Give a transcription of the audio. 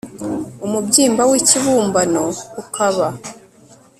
umubyimba w ikibumbano ukaba